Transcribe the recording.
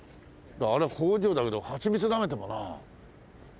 あれは工場だけどハチミツなめてもなあ。